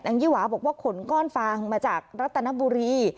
ยี่หวาบอกว่าขนก้อนฟางมาจากรัตนบุรี